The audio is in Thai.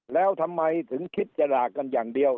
แล้วทำไมถึงคิดจะด่ากันอย่างเดียว